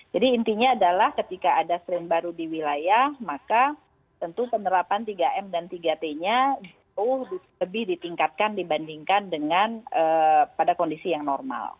jadi intinya adalah ketika ada strain baru di wilayah maka tentu penerapan tiga m dan tiga t nya itu lebih ditingkatkan dibandingkan dengan pada kondisi yang normal